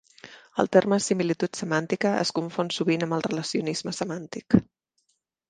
El terme similitud semàntica es confon sovint amb el relacionisme semàntic.